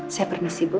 saya permisi bu